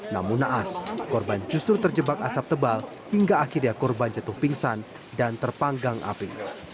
namun naas korban justru terjebak asap tebal hingga akhirnya korban jatuh pingsan dan terpanggang api